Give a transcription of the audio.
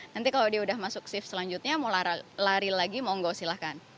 nanti kalau dia udah masuk shift selanjutnya mau lari lagi monggo silahkan